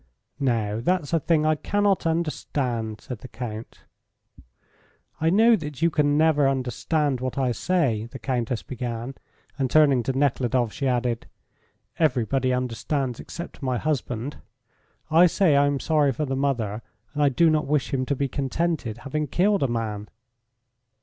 "Now, that's a thing I cannot understand," said the Count. "I know that you never can understand what I say," the Countess began, and turning to Nekhludoff, she added: "Everybody understands except my husband. I say I am sorry for the mother, and I do not wish him to be contented, having killed a man."